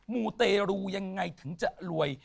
มูเตรูยังไงถึงจะรวย